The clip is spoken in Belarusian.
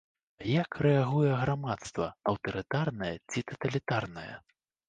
А як рэагуе грамадства аўтарытарнае ці таталітарнае?